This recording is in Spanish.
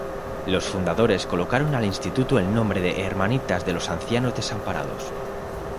Los fundadores colocaron al instituto el nombre de Hermanitas de los Ancianos Desamparados.